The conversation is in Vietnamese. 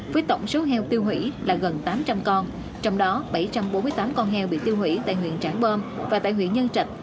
với tổng số heo tiêu hủy là gần tám trăm linh con trong đó bảy trăm bốn mươi tám con heo bị tiêu hủy tại huyện trảng bom và tại huyện nhân trạch